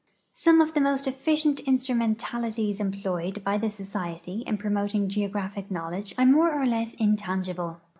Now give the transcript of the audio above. Some of the most efficient instrumentalities employed by the Society in |)romoting geographic knowledge are more or less in tangible.